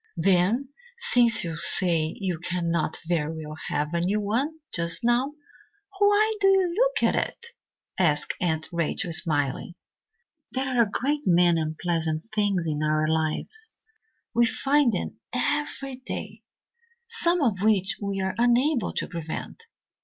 "Then, since you say you cannot very well have a new one just now, why do you look at it?" asked Aunt Rachel, smiling. "There are a great many unpleasant things in our lives we find them every day some of which we are unable to prevent.